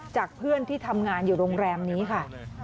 จากเพื่อนที่ทำงานอยู่โรงแรมนี้ค่ะ